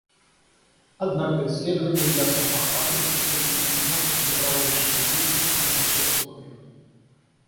Однако исследования ясно показывают, что люди занимаются добровольческой деятельностью на всех уровнях.